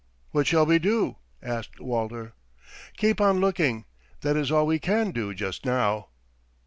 "What shall we do?" asked Walter. "Keep on looking. That is all we can do just now."